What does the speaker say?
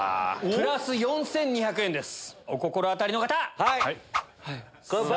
プラス４２００円です。